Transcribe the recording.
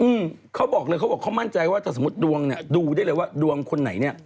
อืมเขาบอกเลยเขาบอกเขามั่นใจว่าถ้าสมมุติดวงเนี้ยดูได้เลยว่าดวงคนไหนเนี้ย